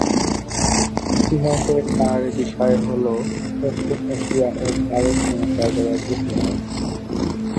ইতিহাসে তার বিষয় হল দক্ষিণ এশিয়া ও ভারত মহাসাগরের ইতিহাস।